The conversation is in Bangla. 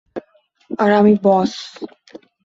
আর আমি বস।